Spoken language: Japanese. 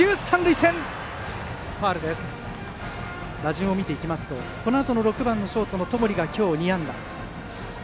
打順を見ていきますとこのあとの６番ショートの友利が今日、２安打。